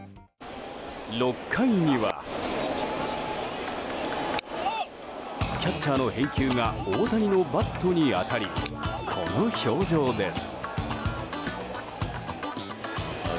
６回には、キャッチャーの返球が大谷のバットに当たりこの表情です。